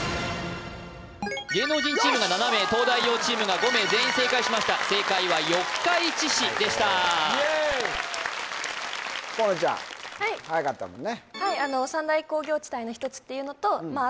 芸能人チームが７名東大王チームが５名全員正解しました正解は四日市市でした河野ちゃんはやかったもんね